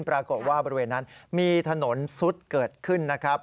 ปรากฏว่าบริเวณนั้นมีถนนซุดเกิดขึ้นนะครับ